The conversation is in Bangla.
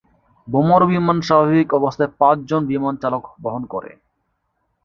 বোমারু বিমান স্বাভাবিক অবস্থায় পাঁচ জন বিমান চালক বহন করে।